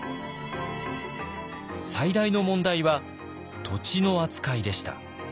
最大の問題は土地の扱いでした。